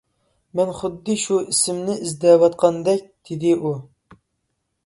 مەن خۇددى شۇ ئىسىمنى ئىزدەۋاتقاندەك-دېدى ئۇ.